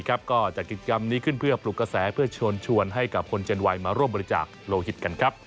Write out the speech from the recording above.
ก็จัดกิจกรรมนี้ขึ้นเพื่อปลุกกระแสเพื่อชวนให้กับคนเจนวัยมาร่วมบริจาคโลหิตกันครับ